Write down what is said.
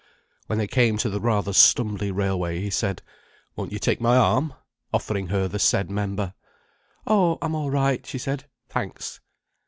When they came to the rather stumbly railway, he said: "Won't you take my arm?"—offering her the said member. "Oh, I'm all right," she said. "Thanks."